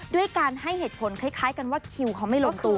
ด้วยการให้เหตุผลคล้ายกันว่าคิวเขาไม่ลงตัว